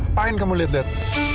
apaan kamu liat liat